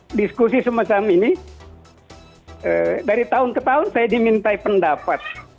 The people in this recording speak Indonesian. dan diskusi semacam ini dari tahun ke tahun saya dimintai pendapat